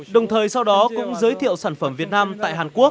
đồng thời sau đó cũng giới thiệu sản phẩm việt nam tại hàn quốc